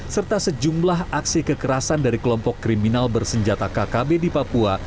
serta sejumlah aksi kekerasan dari kelompok kriminal bersenjata kkb di papua